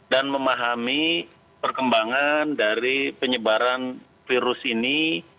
dan memahami perkembangan dari penyebaran virus ini